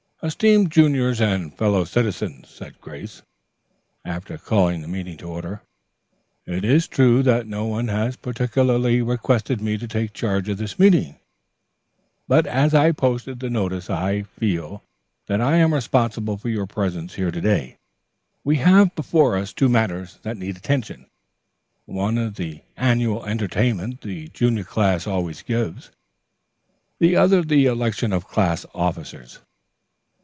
"Esteemed juniors and fellow citizens," said Grace, after calling the meeting to order. "It is true that no one has particularly requested me to take charge of this meeting, but as I posted the notice, I feel that I am responsible for your presence here to day. We have before us two matters that need attention. One is the annual entertainment that the junior class always gives, the other the election of class officers.